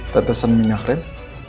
tetesan minyak rem